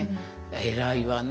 「偉いわね